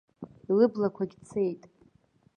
Лыблақәагь цеит.